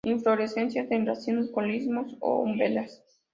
Inflorescencias en racimos, corimbos o umbelas.